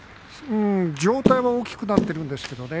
上体は大きくなってるんですけどね